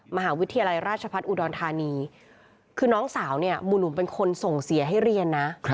มหาวิทยาลัยราชพัฒน์อุดรธานีคือน้องสาวเนี่ยหมู่หนุ่มเป็นคนส่งเสียให้เรียนนะ